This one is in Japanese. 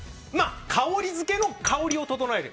香りづけの香りを調える。